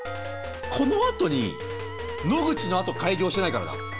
このあとに野口のあと改行してないからだ。